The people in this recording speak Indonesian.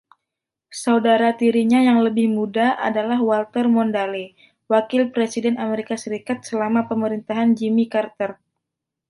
Saudara tirinya yang lebih muda adalah Walter Mondale, Wakil Presiden Amerika Serikat selama pemerintahan Jimmy Carter.